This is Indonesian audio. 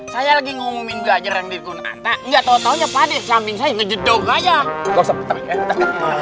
saya lagi ngomongin belajar yang dikulang